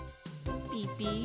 ピピ？